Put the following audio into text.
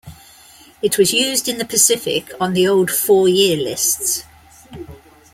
It was used in the Pacific on the old four-year lists.